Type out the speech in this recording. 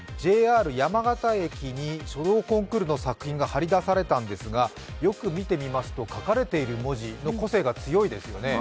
ＪＲ山形駅に書道コンクールの作品が貼り出されたんですがよく見てみますと、書かれている文字の個性がすごいですよね。